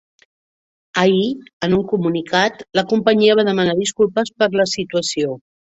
Ahir, en un comunicat, la companyia va demanar disculpes per la situació.